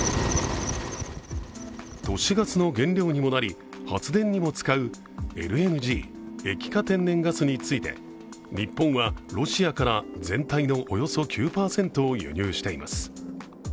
都市ガスの原料にもなり、発電にも使うＬＮＧ＝液化天然ガスについて日本はロシアから全体のおよそ９％を輸入しています。